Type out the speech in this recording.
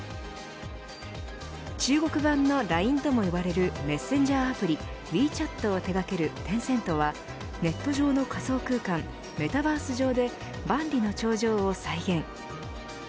中国版のＬＩＮＥとも呼ばれるメッセンジャーアプリウィーチャットを手掛けるテンセントはネット上の仮想空間メタバース上で万里の長城を再現。